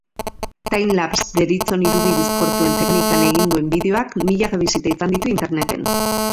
Time-laps deritzon irudi bizkortuen teknikan egin duen bideoak milaka bisita izan ditu interneten.